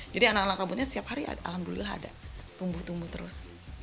jadi anak anak rambutnya setiap hari alhamdulillah ada tumbuh tumbuh terus